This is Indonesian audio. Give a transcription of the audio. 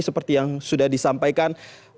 seperti yang sudah disampaikan